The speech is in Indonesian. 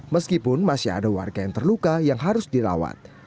meskipun masih ada warga yang terluka yang harus dirawat